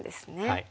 はい。